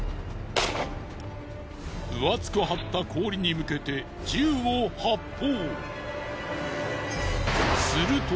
分厚く張った氷に向けて銃を発砲。